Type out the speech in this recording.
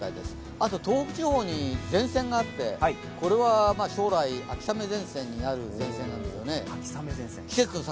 あと東北地方に前線があってこれは将来秋雨前線になる前線なんですよね。